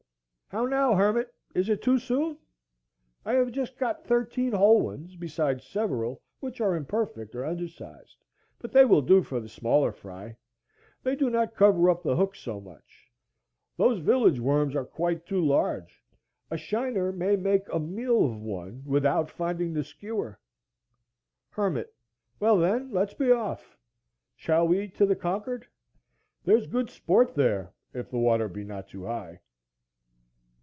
_ How now, Hermit, is it too soon? I have got just thirteen whole ones, beside several which are imperfect or undersized; but they will do for the smaller fry; they do not cover up the hook so much. Those village worms are quite too large; a shiner may make a meal off one without finding the skewer. Hermit. Well, then, let's be off. Shall we to the Concord? There's good sport there if the water be not too high.